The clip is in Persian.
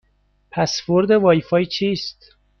پسورد وای فای چیست؟